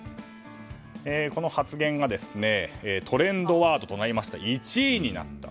この発言がトレンドワード１位になった。